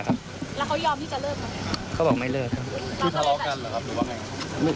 ก็แบบไม่เลิกครับ